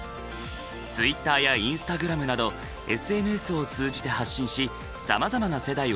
ＴｗｉｔｔｅｒやＩｎｓｔａｇｒａｍなどＳＮＳを通じて発信しさまざまな世代を魅了している。